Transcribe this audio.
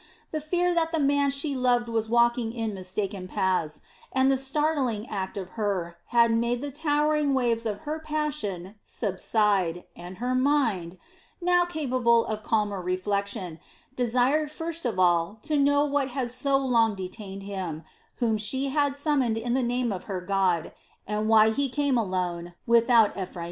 The fear that the man she loved was walking in mistaken paths, and the startling act of Hur had made the towering waves of her passion subside and her mind, now capable of calmer reflection, desired first of all to know what had so long detained him whom she had summoned in the name of her God, and why he came alone, without Ephraim.